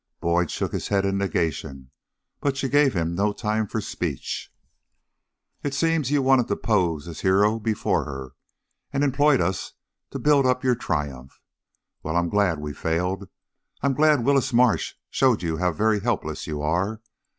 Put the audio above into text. Boyd shook his head in negation, but she gave him no time for speech. "It seems that you wanted to pose as a hero before her, and employed us to build up your triumph. Well, I am glad we failed. I'm glad Willis Marsh showed you how very helpless you are.